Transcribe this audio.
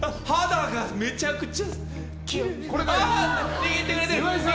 握ってくれてる！